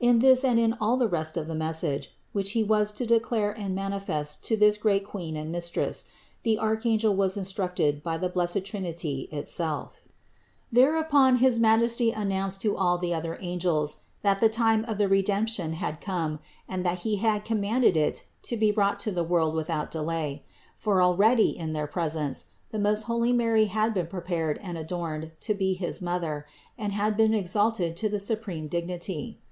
In this and in all the rest of the message, which he was to declare and manifest to this great Queen and Mistress, the archangel was in structed by the blessed Trinity itself. 112. Thereupon his Majesty announced to all the other angels that the time of the Redemption had come and that He had commanded it to be brought to the world without delay ; for already, in their own presence, the most holy Maty had been prepared and adorned to be his Mother, and had been exalted to the supreme dig nity.